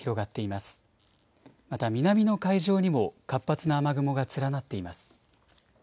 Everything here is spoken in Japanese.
また南の海上にも活発な雨雲が連なっています。